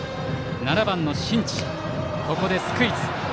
７番の新地、ここでスクイズ。